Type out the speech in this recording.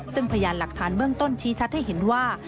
ซึ่งพยานหลักฐานเบื้องต้นชี้ชัดให้เห็นว่า